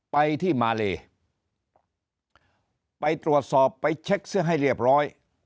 ไปที่มาเลไปตรวจสอบไปเช็คเสื้อให้เรียบร้อย